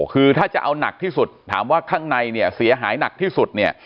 คือถ้าจะเอาหนักที่สุดถามว่าข้างในเนี่ยเสียหายหนักที่สุดเนี่ย